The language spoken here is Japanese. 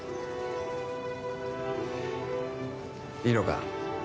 いいのか？